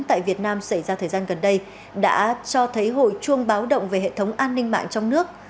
tại việt nam xảy ra thời gian gần đây đã cho thấy hội chuông báo động về hệ thống an ninh mạng trong nước